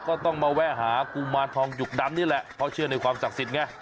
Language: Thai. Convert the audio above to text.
ก็ต้องมาแวะหากุมารทองหยุกดำนี่แหละเพราะเชื่อในความศักดิ์สิทธิ์ไง